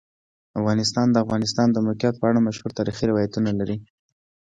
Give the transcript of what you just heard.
افغانستان د د افغانستان د موقعیت په اړه مشهور تاریخی روایتونه لري.